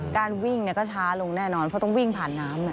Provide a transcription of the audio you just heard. การวิ่งก็ช้าลงแน่นอนเพราะต้องวิ่งผ่านน้ำ